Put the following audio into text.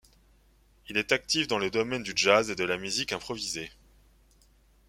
Il est actif dans le domaine du jazz et de la musique improvisée.